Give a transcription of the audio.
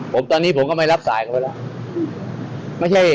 ผมตอนนี้ผมก็ไม่รับสายเขาไว้แล้ว